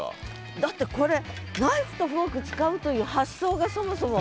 だってこれナイフとフォーク使うという発想がそもそも。